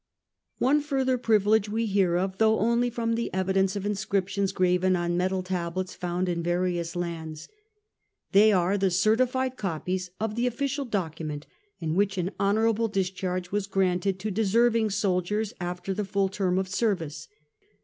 One further privilege we hear of, though only from the evidence of inscriptions graven on metal tablets found in various lands. They are the certified copies of the official document in which an honourable discharge was granted to deserving soldiers after the full term of service.